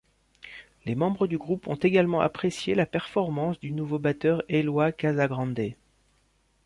Les membres du groupe ont également apprécié la performance du nouveau batteur Eloy Casagrande.